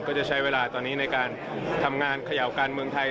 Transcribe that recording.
จะใช้เวลาตอนนี้ในการทำงานเขย่าการเมืองไทย